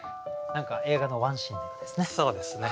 何か映画のワンシーンのようですね。